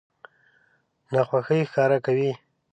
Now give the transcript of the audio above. ناخوښي ښکاره کوي.